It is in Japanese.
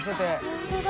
本当だ！